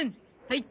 はい。